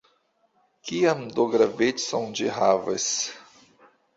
Kian do gravecon ĝi havas?